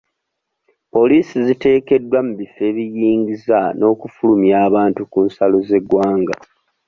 Poliisi ziteekeddwa mu bifo ebiyingiza n'okufulumya abantu ku nsalo z'eggwanga.